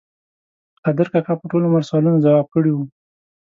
قادر کاکا په ټول عمر سوالونه ځواب کړي وو.